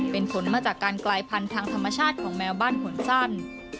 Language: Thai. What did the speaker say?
เป็นผลมาจากการกลายพันธุ์ทางธรรมชาติของแมวบ้านหวนสั้น